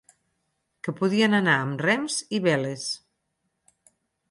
Que podien anar amb rems i veles.